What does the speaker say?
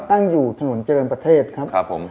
ตั้งอยู่ถนนเจริญประเทศครับผม